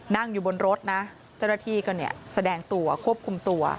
นั่งอยู่บนรถนะเจ้าหน้าที่ก็แสดงตัวควบคุมตัว